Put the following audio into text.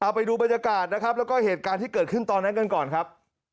ไปดูบรรยากาศนะครับแล้วก็เหตุการณ์ที่เกิดขึ้นตอนนั้นกันก่อนครับ